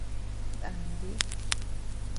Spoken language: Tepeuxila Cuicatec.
Dànti.